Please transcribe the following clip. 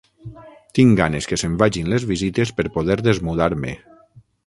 Tinc ganes que se'n vagin les visites per poder desmudar-me.